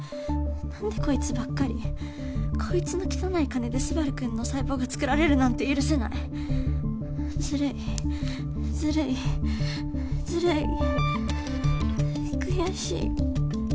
なんでこいつばっかりこいつの汚い金でスバルくんの細胞が作られるなんて許せないずるいずるいずるい悔しい